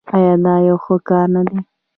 آیا دا یو ښه کار نه دی؟